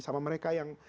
sama mereka yang